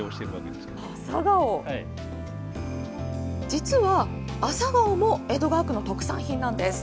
実は、朝顔も江戸川区の特産品なんです。